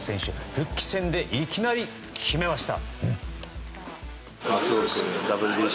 復帰戦でいきなり決めました。